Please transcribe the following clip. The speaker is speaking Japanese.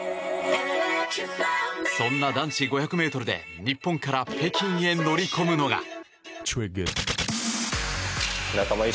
そんな男子５００ｍで日本から北京に乗り込むのが。